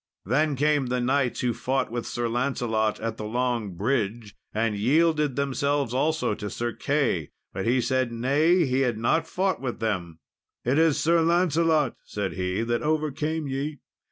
Then came the knights who fought with Sir Lancelot at the long bridge and yielded themselves also to Sir Key, but he said nay, he had not fought with them. "It is Sir Lancelot," said he, "that overcame ye."